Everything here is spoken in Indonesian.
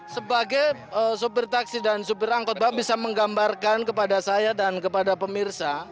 sebagai sopir taksi dan supir angkot bahwa bisa menggambarkan kepada saya dan kepada pemirsa